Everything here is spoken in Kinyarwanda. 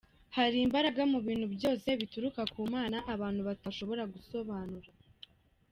Hari imbaraga mu bintu byose bituruka ku Mana abantu batashobora gusobanura.